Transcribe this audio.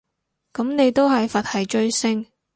噉你都係佛系追星